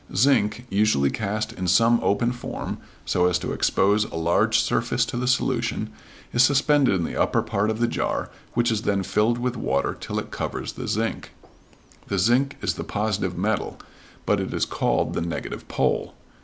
Zinc, usually cast in some open form, so as to expose a large surface to the solution, is suspended in the upper part of the jar, which is then filled with water till it covers the zinc. The zinc is the positive metal, but it is called the negative pole.